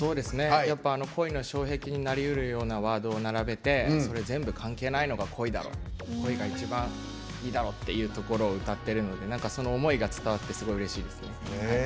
恋の障壁になりうるようなワードを並べて「全部関係ないのが恋だろ」っていうところを歌ってるのでその思いが伝わってすごいうれしいです。